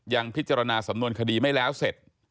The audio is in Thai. ยังพิจารณาสำนวนคดีไม่แล้วเสร็จ